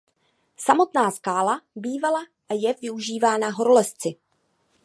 Samotná skála bývala a je využívána horolezci.